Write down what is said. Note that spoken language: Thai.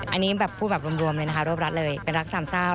อันนี้แบบพูดแบบรวมเลยนะคะรวบรัดเลยเป็นรักสามเศร้า